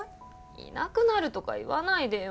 いなくなるとか言わないでよ。